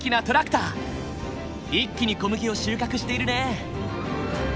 一気に小麦を収穫しているね。